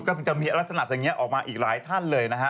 ก็จะมีลักษณะอย่างนี้ออกมาอีกหลายท่านเลยนะฮะ